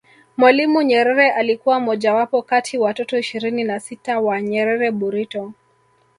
Mwalimu Nyerere alikuwa mojawapo kati watoto ishirini na sita wa Nyerere Burito